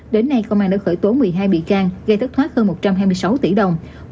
đến nay công an đã khởi tố một mươi hai bị can gây thất thoát hơn một trăm hai mươi sáu tỷ đồng